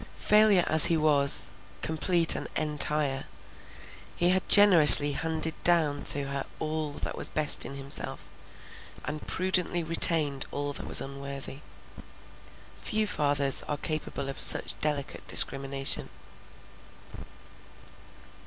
Failure as he was, complete and entire, he had generously handed down to her all that was best in himself, and prudently retained all that was unworthy. Few fathers are capable of such delicate discrimination.